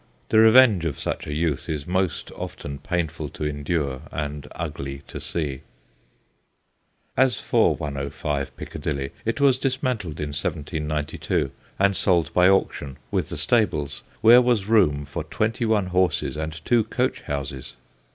The revenge of such a youth is most often painful to endure and ugly to see. As for 105 Piccadilly, it was dismantled in 1792 and sold by auction, with the stables, where was room for twenty one horses and two coach houses.